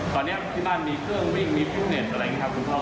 ตอนนี้ที่บ้านมีเครื่องวิ่งมีฟิตเน็ตอะไรอย่างนี้ครับคุณพ่อ